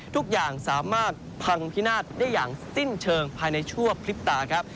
ทุกอย่างสามารถพังพินาศได้อย่างสิ้นเชิงภายในชั่วพลิบตาครับ